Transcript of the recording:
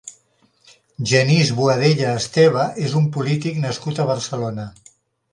Genís Boadella Esteve és un polític nascut a Barcelona.